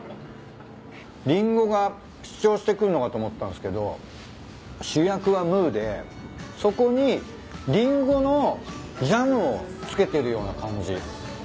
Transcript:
リンゴが主張してくるのかと思ったんすけど主役はムーでそこにリンゴのジャムを付けてるような感じ。